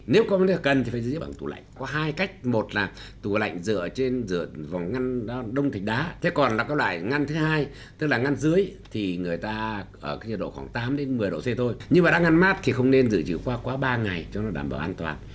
nếu không cần thì phải giữ chữ bằng tủ lạnh có hai cách một là tủ lạnh dựa trên dựa vào ngăn đông thịt đá thế còn là có loại ngăn thứ hai tức là ngăn dưới thì người ta ở cái nhiệt độ khoảng tám đến một mươi độ c thôi nhưng mà đang ngăn mát thì không nên giữ chữ qua qua ba ngày cho đảm bảo an toàn